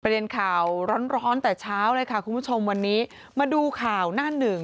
เด็นข่าวร้อนร้อนแต่เช้าเลยค่ะคุณผู้ชมวันนี้มาดูข่าวหน้าหนึ่ง